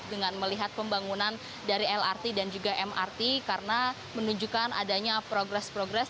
dengan melihat pembangunan dari lrt dan juga mrt karena menunjukkan adanya progres progres